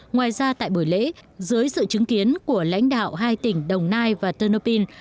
ngoài ra tại buổi lễ dưới sự chứng kiến của lãnh đạo hai tỉnh đồng nai và turnopine